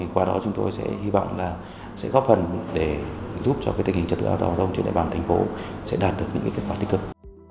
qua đó chúng tôi sẽ hy vọng là sẽ góp phần để giúp cho cái tình hình trật tự an toàn trong truyền đại bàng thành phố sẽ đạt được những kết quả tích cực